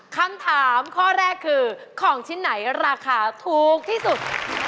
คำถามข้อแรกคือของชิ้นไหนราคาถูกที่สุด